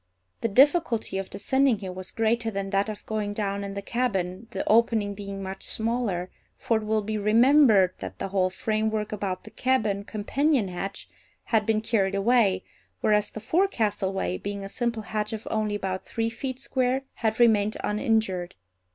The difficulty of descending here was greater than that of going down in the cabin, the opening being much smaller, for it will be remembered that the whole framework about the cabin companion hatch had been carried away, whereas the forecastle way, being a simple hatch of only about three feet square, had remained uninjured.